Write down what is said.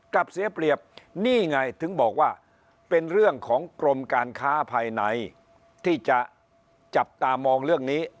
กลับเสียเปรียบนี่ไงถึงบอกว่าเป็นเรื่องของกรมการค้าภายในที่จะจับตามองเรื่องนี้